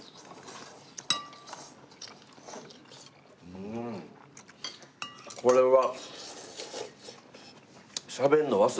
うーんこれは。